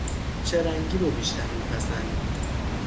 چه رنگی رو بیشتر میپسندی